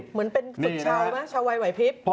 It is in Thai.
เหมือนเป็นฝึกเช้าไวพริบ